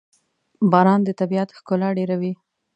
باران د طبیعت ښکلا ډېروي.